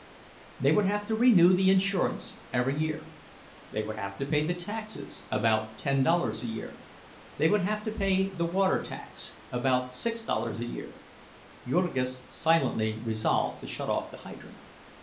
They would have to renew the insurance every year; they would have to pay the taxes, about ten dollars a year; they would have to pay the water tax, about six dollars a year—(Jurgis silently resolved to shut off the hydrant).